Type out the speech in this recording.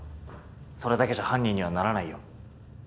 それだけじゃ犯人にはならないよ。